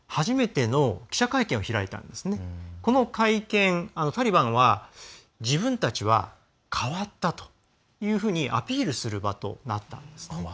この会見なんですが、タリバンが自分たちは変わったというふうにアピールする場となったんです。